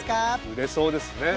売れそうですね